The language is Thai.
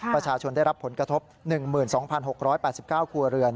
ประชาชนได้รับผลกระทบ๑๒๖๘๙ครัวเรือน